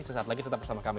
sesaat lagi tetap bersama kami